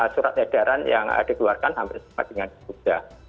surat edaran yang dikeluarkan hampir sama dengan di jogja